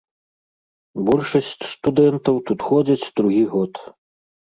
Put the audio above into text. Большасць студэнтаў тут ходзяць другі год.